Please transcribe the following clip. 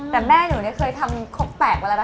แต่แม่หนูเนี่ยเคยทำคกแตกมาแล้วนะ